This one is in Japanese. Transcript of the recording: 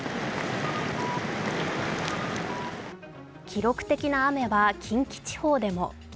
記録的な雨は近畿地方でも。